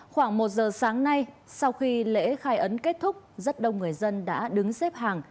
khoảng một giờ sáng nay sau khi lễ khai ấn kết thúc rất đông người dân đã đứng xếp hàng